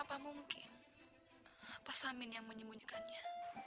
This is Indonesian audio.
apa mungkin pak samin yang menyembunyikannya